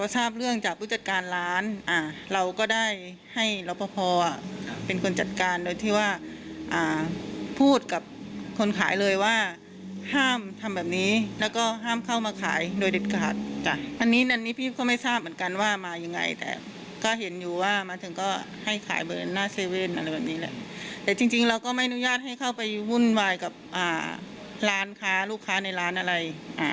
แต่จริงเราก็ไม่อนุญาตให้เข้าไปวุ่นวายกับร้านค้าลูกค้าในร้านอะไร